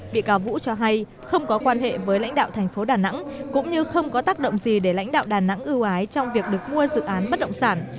bị cáo vũ cho hay không có quan hệ với lãnh đạo thành phố đà nẵng cũng như không có tác động gì để lãnh đạo đà nẵng ưu ái trong việc được mua dự án bất động sản